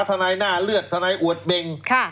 ทนายหน้าเลือดทนายอวดเบง